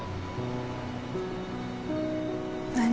何？